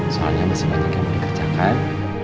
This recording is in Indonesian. soalnya masih banyak yang dikerjakan